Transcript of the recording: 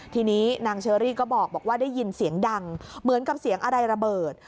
ทีนี้นางเชอรี่ก็บอกว่าได้ยินเสียงดังเหมือนกับเสียงอะไรระเบิด